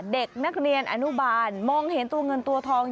เด็กนักเรียนอนุบาลมองเห็นตัวเงินตัวทอง